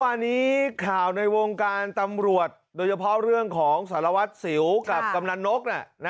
วันนี้ข่าวในวงการตำรวจโดยเฉพาะเรื่องของสารวัตรสิวกับกำนันนก